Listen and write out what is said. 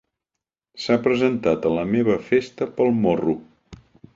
S'ha presentat a la meva festa pel morro.